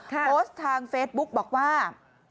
โพสต์ทางเฟซบุ๊กบอกว่า